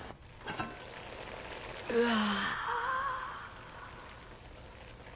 うわ！